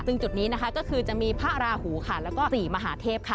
ซึ่งจุดนี้นะคะก็คือจะมีพระราหูค่ะแล้วก็๔มหาเทพค่ะ